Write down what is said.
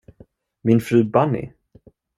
Min fru Bunny?